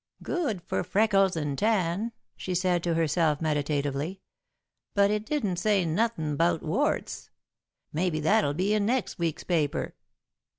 "Good for freckles and tan," she said to herself, meditatively, "but it didn't say nothin' about warts. Maybe that'll be in next week's paper."